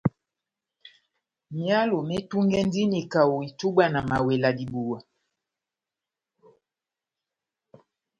Myɔ́lɔ metungɛndini kaho itubwa na mawela dibuwa.